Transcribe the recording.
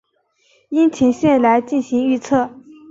樱前线来进行预测。